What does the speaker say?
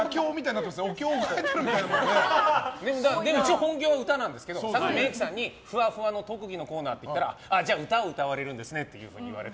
本業は歌なんですけどメイクさんにふわふわの特技のコーナーって言ったらじゃあ歌を歌われるんですねって言われて。